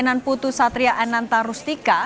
anan putu satria ananta rustika